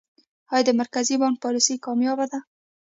آیا د مرکزي بانک پالیسي کامیابه ده؟